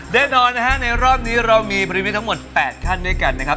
แน่นอนนะฮะในรอบนี้เรามีบริเวณทั้งหมด๘ขั้นด้วยกันนะครับ